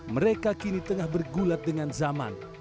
mereka kini tengah bergulat dengan zaman